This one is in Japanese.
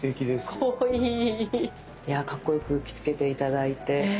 いやかっこよく着付けて頂いて。